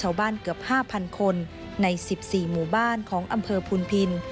ชาวบ้านเกือบ๕๐๐๐คนใน๑๔หมู่บ้านของอำเภอพูลพินธุ์